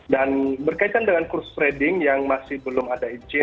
dan berkaitan dengan kursus trading yang masih belum ada izin